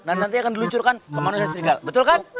dan nanti akan diluncurkan ke manusia serigala betul kan